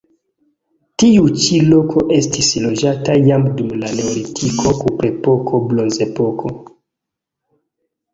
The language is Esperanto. Tiu ĉi loko estis loĝata jam dum la neolitiko, kuprepoko, bronzepoko.